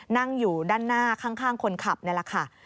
นั่งอยู่ด้านหน้าข้างคนขับนี่แหละค่ะ